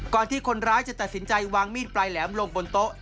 ที่คนร้ายจะตัดสินใจวางมีดปลายแหลมลงบนโต๊ะ